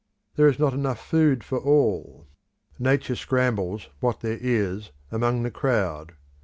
There is not enough food for all; Nature scrambles what there is among the crowd.